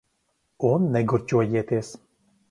Un negurķojieties.